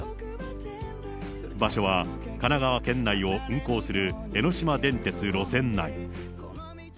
場所は、神奈川県内を運行する江ノ島電鉄路線内。